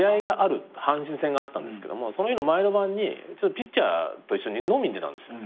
阪神戦があったんですけどもその日の前の晩にピッチャーと一緒に飲みに出たんですよ。